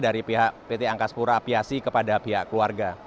dari pihak pt angkasa pura aviasi kepada pihak keluarga